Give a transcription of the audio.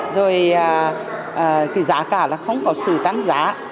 rồi giá cả là không có sự tăng giá